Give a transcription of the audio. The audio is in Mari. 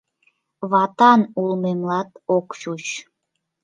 Ватан улмемлат ок чуч.